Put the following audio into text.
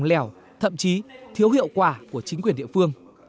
lỏng lẻo thậm chí thiếu hiệu quả của chính quyền địa phương